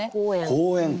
「公園」。